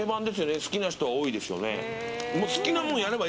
好きな人は多いですね。